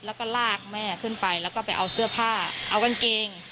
แล้วก็ลากแม่ขึ้นไปแล้วก็ไปเอาเสื้อผ้าเอากางเกง